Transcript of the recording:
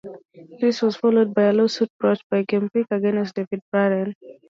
This was followed by a lawsuit brought by GameTek against David Braben.